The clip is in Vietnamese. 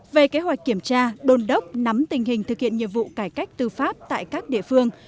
về kế hoạch kiểm tra đôn đốc nắm tình hình thực hiện nhiệm vụ cải cách tư pháp tại các địa phương